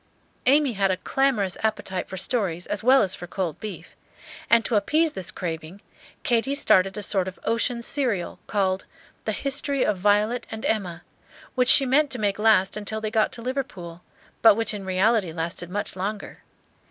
Amy had a clamorous appetite for stories as well as for cold beef; and to appease this craving, Katy started a sort of ocean serial, called "The History of Violet and Emma," which she meant to make last till they got to Liverpool, but which in reality lasted much longer.